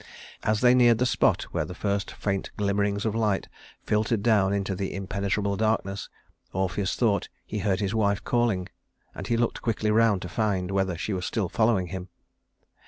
As they neared the spot where the first faint glimmerings of light filtered down into the impenetrable darkness, Orpheus thought he heard his wife calling, and he looked quickly around to find whether she was still following him.